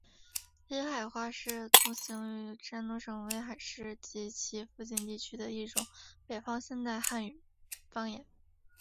威海话是通行于山东省威海市及其附近地区的一种北方现代汉语方言。